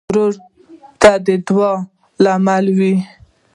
ورور د تا د دعا مل وي.